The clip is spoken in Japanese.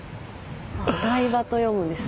ああ「台場」と読むんですね。